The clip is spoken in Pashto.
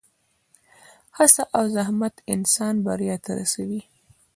هڅه او زحمت انسان بریا ته رسوي.